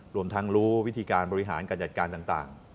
รวมทั้งรู้วิธีการบริหารการจัดการต่าง